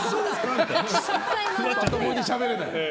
まともにしゃべれない。